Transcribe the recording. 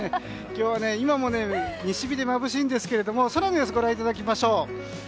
今日は今も西日でまぶしいんですけど空の様子をご覧いただきましょう。